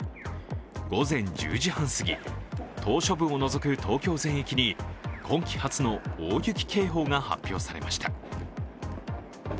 午前１０時半すぎ、島しょ部を除く東京全域に今季初の大雪警報が発表されました。